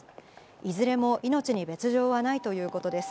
いずれも命に別状はないということです。